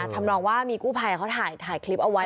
ทำนองว่ามีกู้ภัยเขาถ่ายคลิปเอาไว้